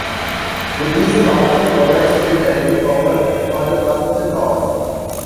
The diesel also provides head end power for the passenger cars.